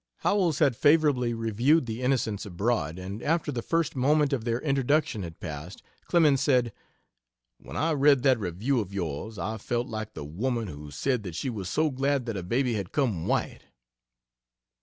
Howells had favorably reviewed 'The Innocents Abroad,' and after the first moment of their introduction had passed Clemens said: "When I read that review of yours I felt like the woman who said that she was so glad that her baby had come white."